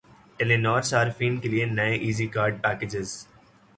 ٹیلی نار صارفین کے لیے نئے ایزی کارڈ پیکجز